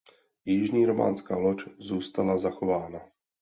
Jižní románská loď zůstala zachována.